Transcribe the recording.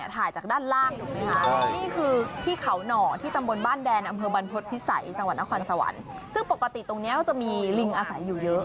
ปกติตรงนี้ก็จะมีลิงอาศัยอยู่เยอะ